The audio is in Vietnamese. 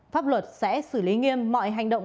pháp luật sẽ xử lý nghiêm mọi hành động